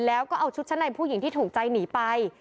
แล้วก็เอาชุดชั้นในผู้หญิงที่ถูกใจหนีไป